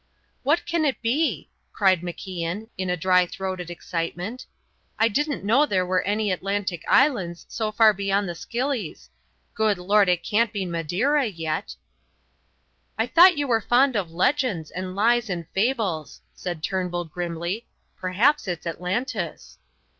"What can it be?" cried MacIan, in a dry throated excitement. "I didn't know there were any Atlantic islands so far beyond the Scillies Good Lord, it can't be Madeira, yet?" "I thought you were fond of legends and lies and fables," said Turnbull, grimly. "Perhaps it's Atlantis."